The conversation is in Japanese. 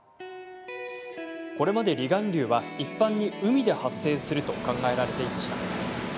これまで離岸流は一般に海で発生すると考えられていました。